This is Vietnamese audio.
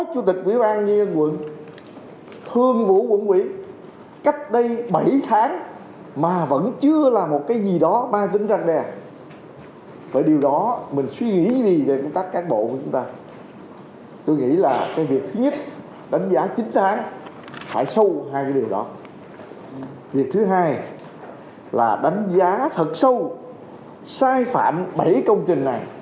hãy đăng ký kênh để ủng hộ kênh của mình nhé